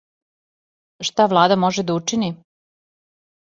Шта влада може да учини?